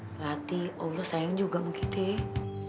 berarti allah sayang juga sama kita ya